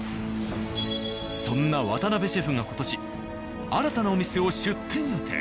そんな渡邉シェフが今年新たなお店を出店予定。